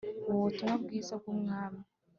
ubu butumwa bwiza bw ubwami